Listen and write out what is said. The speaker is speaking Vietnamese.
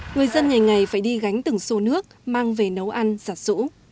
người dân ngày ngày phải đi gánh từng xô nước mang về nấu ăn giặt sũ